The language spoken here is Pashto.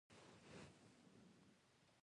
افغانستان په کندهار باندې پوره تکیه لري.